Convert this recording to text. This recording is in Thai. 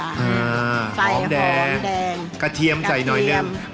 ใส่หอมแดงกระเทียมใส่หน่อยนึงกระเทียม